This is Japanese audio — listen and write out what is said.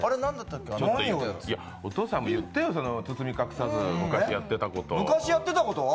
お父さんも言ってよ、包み隠さず、昔やってたことを。